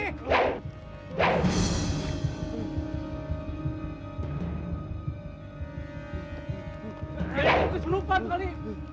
ini keselupan kali